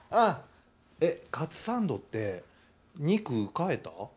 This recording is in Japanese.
ああ、カツサンドって、肉、変えた？